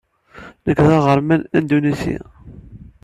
Nekk d aɣerman indunisi.